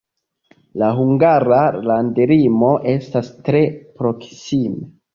La hungara landlimo estas tre proksime.